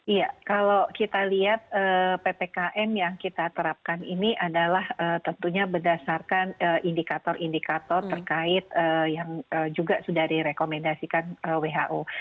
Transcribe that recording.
iya kalau kita lihat ppkm yang kita terapkan ini adalah tentunya berdasarkan indikator indikator terkait yang juga sudah direkomendasikan who